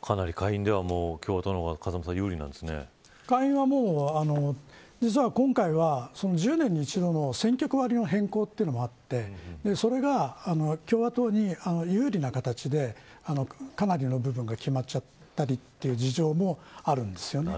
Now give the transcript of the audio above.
下院は、実は今回は１０年に１度の選挙区割りの変更もありそれが共和党に有利な形でかなりの部分が決まっちゃったりという事情もあるんですよね。